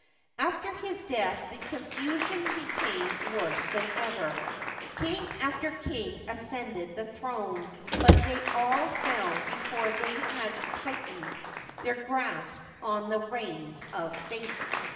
After his death the confusion became worse than ever. King after king ascended the throne, but they all fell before they had tightened their grasp on the rems of state.